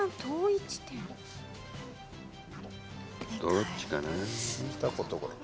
どっちかな。